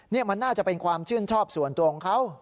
นี่มันน่าจะเป็นความชื่นชอบส่วนตัวของเขา